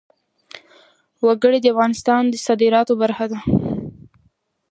وګړي د افغانستان د صادراتو برخه ده.